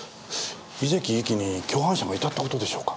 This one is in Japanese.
井関ゆきに共犯者がいたって事でしょうか？